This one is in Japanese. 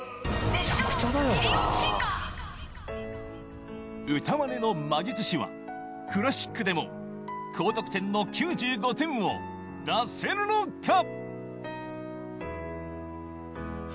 ミリオンシンガー』歌マネの魔術師は「クラシック」でも高得点の９５点を出せるのか？